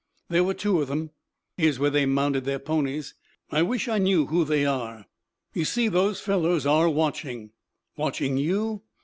"There were two of them. Here's where they mounted their ponies. I wish I knew who they are. You see those fellows are watching." "Watching you?"